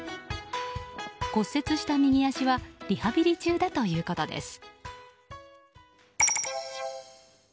骨折した右足はリハビリ中だということです。